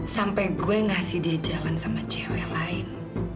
sampai gue ngasih dia jalan sama cewek lain